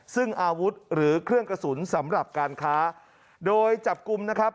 ซึ่งอาวุธหรือเครื่องกระสุนสำหรับการค้าโดยจับกลุ่มนะครับ